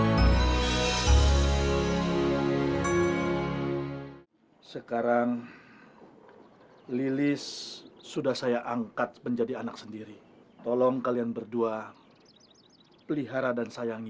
hai sekarang lilis sudah saya angkat menjadi anak sendiri tolong kalian berdua pelihara dan sayangi